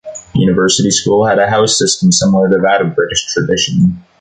University School has a House system, similar to that of the British tradition.